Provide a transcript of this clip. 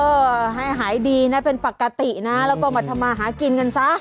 เออให้หายดีนะเป็นปกตินะแล้วก็มาทำมาหากินกันซะ